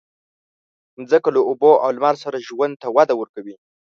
مځکه له اوبو او لمر سره ژوند ته وده ورکوي.